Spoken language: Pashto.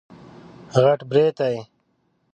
غټ برېتی